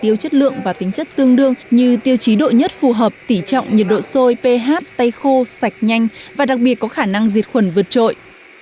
tiêu chất lượng và tính chất tương đương như tiêu chí độ nhất phù hợp tỉ trọng nhiệt độ sôi ph tay khô sạch nhanh và đặc biệt có khả năng diệt khuẩn vượt trội